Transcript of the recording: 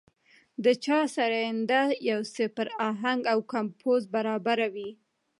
د چا سرېنده يو څه پر اهنګ او کمپوز برابره وي.